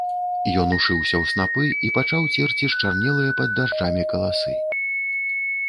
Ён ушыўся ў снапы і пачаў церці счарнелыя пад дажджамі каласы.